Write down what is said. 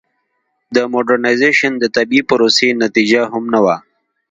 د موډرنیزېشن د طبیعي پروسې نتیجه هم نه وه.